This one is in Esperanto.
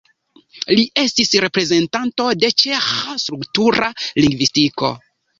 Li estis reprezentanto de ĉeĥa struktura lingvistiko.